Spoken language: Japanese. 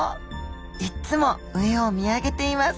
いっつも上を見上げています。